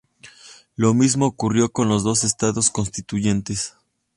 Lo mismo ocurrió con los dos estados constituyentes.